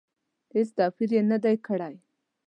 هېڅ توپیر یې نه دی کړی.